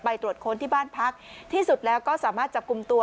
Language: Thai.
ตรวจค้นที่บ้านพักที่สุดแล้วก็สามารถจับกลุ่มตัว